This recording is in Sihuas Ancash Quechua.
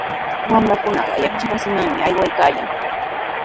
Wamrakunaqa yachaywasimanmi aywaykaayan.